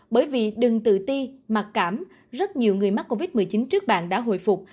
bởi vì đừng tự ti mặc cảm rất nhiều người mắc covid một mươi chín trước bạn đã hồi phục